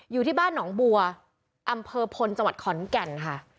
อยู่ที่บ้านหนองบัวอำเภอพลจังหวัดขอนแก่นค่ะ